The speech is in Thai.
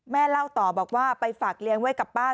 เล่าต่อบอกว่าไปฝากเลี้ยงไว้กับป้า